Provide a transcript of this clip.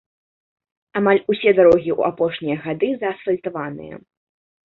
Амаль усе дарогі ў апошнія гады заасфальтаваныя.